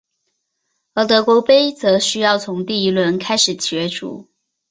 而德国杯则需要从第一轮开始角逐。